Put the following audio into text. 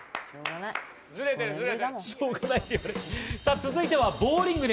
続いてはボウリング歴